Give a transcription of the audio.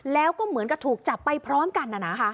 แล้วก็เหมือนกับถูกจับไปพร้อมกัน